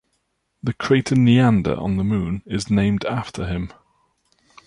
The crater Neander on the Moon is named after him.